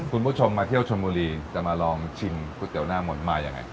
คุณผู้ชมมาเที่ยวชนบุรีจะมาลองชิมก๋วยเตี๋ยวหน้ามนต์มายังไง